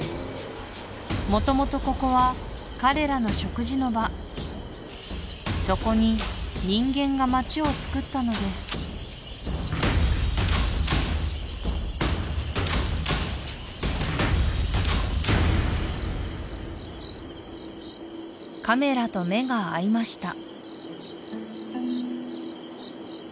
元々ここは彼らの食事の場そこに人間が街をつくったのですカメラと目が合いました